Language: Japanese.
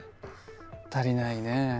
足りないねえ。